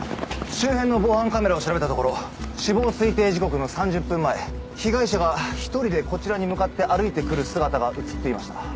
周辺の防犯カメラを調べたところ死亡推定時刻の３０分前被害者が１人でこちらに向かって歩いてくる姿が映っていました。